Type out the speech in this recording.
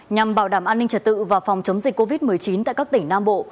nhằm bảo đảm an ninh trật tự và phòng chống dịch covid một mươi chín tại các tỉnh nam bộ